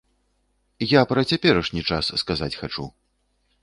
Я пра цяперашні час сказаць хачу.